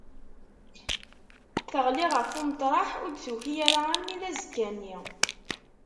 Teɣli ɣef umeṭreḥ ur d-tuki ara armi d azekka-nni.